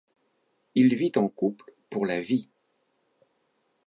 Il vit en couple pour la vie.